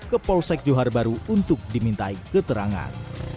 ke polsek johar baru untuk dimintai keterangan